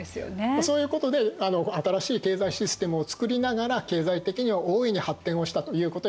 そういうことで新しい経済システムをつくりながら経済的には大いに発展をしたということになります。